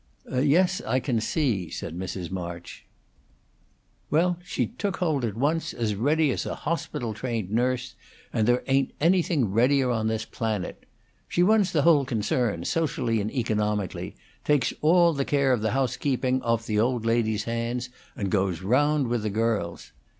"Yes, I can see," said Mrs. March. "Well, she took hold at once, as ready as a hospital trained nurse; and there ain't anything readier on this planet. She runs the whole concern, socially and economically, takes all the care of housekeeping off the old lady's hands, and goes round with the girls.